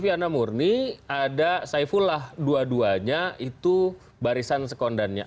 silviana munsni dan pak saifulah dua duanya itu barisan sekondannya